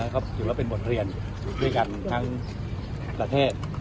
ก็ถือว่าเป็นบทเรียนด้วยกันทั้งประเทศ